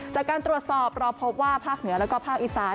จากการตรวจสอบเราพบว่าภาคเหนือแล้วก็ภาคอีสาน